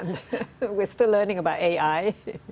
dan kita masih belajar tentang ai